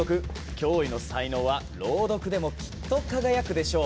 驚異の才能は朗読でもきっと輝くでしょう！